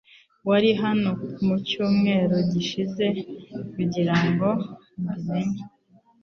Wari hano mucyumweru gishize kugirango mbi menye